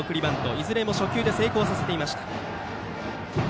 いずれも初球で成功させていました。